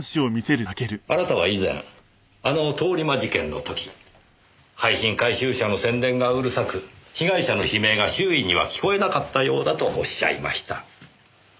あなたは以前あの通り魔事件の時廃品回収車の宣伝がうるさく被害者の悲鳴が周囲には聞こえなかったようだとおっしゃいました。